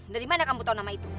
dari mana kamu tahu nama itu